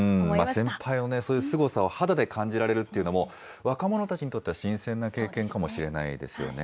先輩のすごさを肌で感じられるっていうのも、若者たちにとっては新鮮な経験かもしれないですよね。